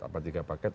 atau tiga paket